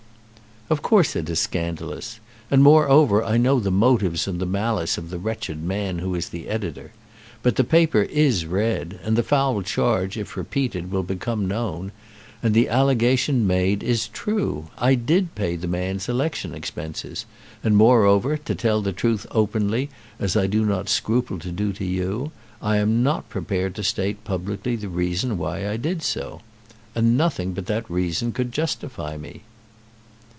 "Of course it is scandalous. And, moreover, I know the motives and the malice of the wretched man who is the editor. But the paper is read, and the foul charge if repeated will become known, and the allegation made is true. I did pay the man's election expenses; and, moreover, to tell the truth openly as I do not scruple to do to you, I am not prepared to state publicly the reason why I did so. And nothing but that reason could justify me."